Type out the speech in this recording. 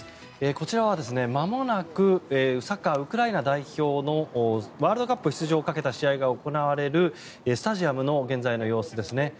こちらは、まもなくサッカーウクライナ代表のワールドカップ出場をかけた試合が行われるスタジアムの現在の様子ですね。